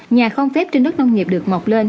nhà không phép trên đất nông nghiệp được mọc lên